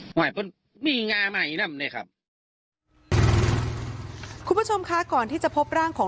ไหมก็มีงานีแน่แบบนั้นเลยค่ะคุณผู้ชมค่ะก่อนที่จะพบร่างของ